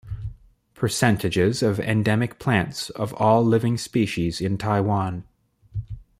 Percentages of endemic plants of all living species in Taiwan.